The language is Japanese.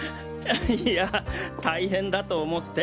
いやあ大変だと思って！